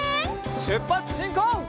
しゅっぱつしんこう！